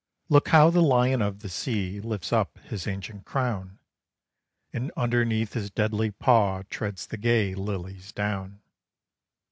Look how the lion of the sea lifts up his ancient crown, And underneath his deadly paw treads the gay lilies down.